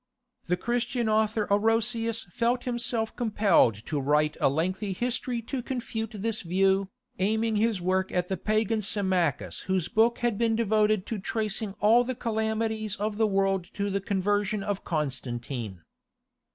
The Christian author Orosius felt himself compelled to write a lengthy history to confute this view, aiming his work at the pagan Symmachus whose book had been devoted to tracing all the calamities of the world to the conversion of Constantine.